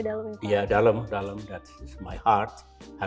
tak lagi rasa hangatnya perlukan